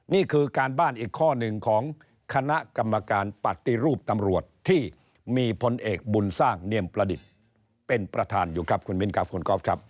นี่คือการบ้านอีกข้อหนึ่งของคณะกรรมการปฏิรูปตำรวจที่มีพลเอกบุญสร้างเนียมประดิษฐ์เป็นประธานอยู่ครับคุณมิ้นครับคุณก๊อฟครับ